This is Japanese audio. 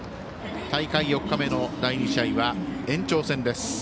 大会４日目の第２試合は延長戦です。